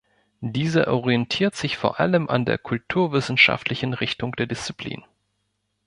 Dieser orientiert sich vor allem an der kulturwissenschaftlichen Richtung der Disziplin.